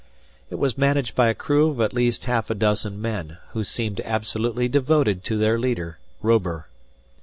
It was managed by a crew of at least half a dozen men, who seemed absolutely devoted to their leader, Robur.